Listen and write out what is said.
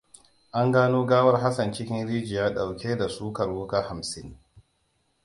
An gano gawar Hassan cikin rijiya ɗauke da sukar wuƙa hamsin.